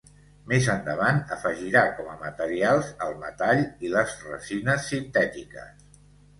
Més endavant afegirà com a materials el metall i les resines sintètiques.